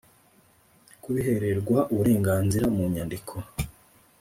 Kubihererwa uburenganzira mu nyandiko